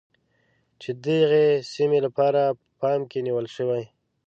چې د دغې سیمې لپاره په پام کې نیول شوی.